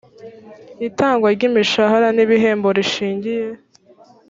itangwa ry imishahara n ibihembo rishingiye